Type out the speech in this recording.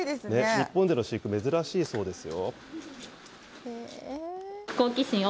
日本での飼育、珍しいそうですよ。